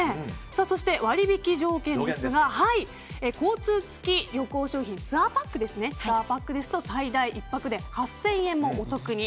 そして、割引上限ですが交通付旅行商品ツアーパックですと最大１泊で８０００円もお得に。